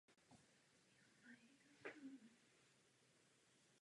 Je šestým nejvyšším vrcholem okresu České Budějovice.